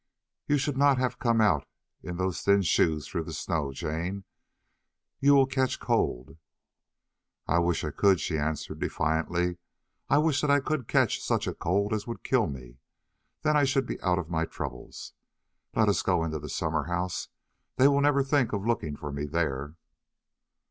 "You should not have come out in those thin shoes through the snow, Jane. You will catch cold." "I wish I could," she answered defiantly, "I wish that I could catch such a cold as would kill me; then I should be out of my troubles. Let us go into the summer house; they will never think of looking for me there."